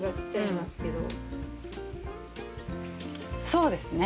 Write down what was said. そうですね。